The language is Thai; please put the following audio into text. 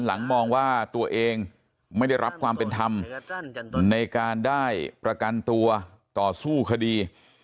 มองว่าตัวเองไม่ได้รับความเป็นธรรมในการได้ประกันตัวต่อสู้คดี